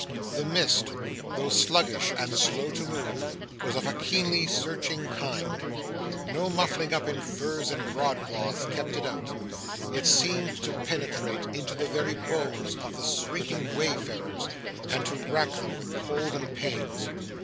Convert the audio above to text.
The mist, though sluggish and slow to move, was of a keenly searching kind. No muffling up in furs and broadcloth kept it out. It seemed to penetrate into the very bones of the shrinking wayfarers, and to rack them with cold and pains.